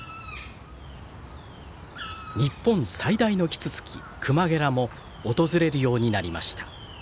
日本最大のキツツキクマゲラも訪れるようになりました。